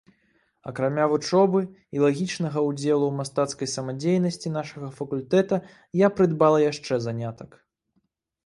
Акрамя вучобы і лагічнага ўдзелу ў мастацкай самадзейнасці нашага факультэта, я прыдбала яшчэ занятак.